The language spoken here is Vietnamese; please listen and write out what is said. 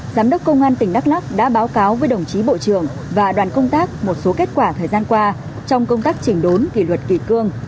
giám đốc công an tỉnh đắk lắc đã báo cáo với đồng chí bộ trưởng và đoàn công tác một số kết quả thời gian qua trong công tác chỉnh đốn kỷ luật kỷ cương